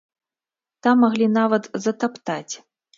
Там маглі нават затаптаць.